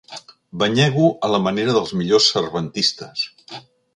Banyego a la manera dels millors cervantistes.